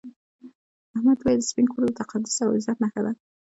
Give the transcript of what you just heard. احمد وویل سپین کور د تقدس او عزت نښه ده.